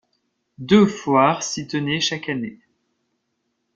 Deux foires s'y tenaient chaque année.